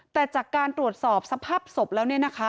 แต่จากการตรวจสอบสภาพศพแล้วเนี่ยนะคะ